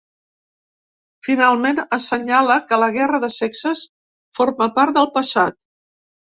Finalment assenyala que la ‘guerra de sexes’ forma part del passat.